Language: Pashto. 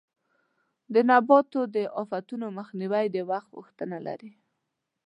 د نباتو د آفتونو مخنیوی د وخت غوښتنه لري.